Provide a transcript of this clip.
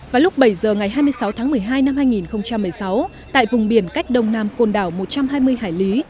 vào lúc bảy giờ ngày hai mươi sáu tháng một mươi hai năm hai nghìn một mươi sáu tại vùng biển cách đông nam côn đảo một trăm hai mươi hải lý